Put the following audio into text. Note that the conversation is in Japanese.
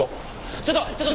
ちょっと！